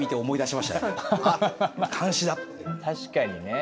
確かにね。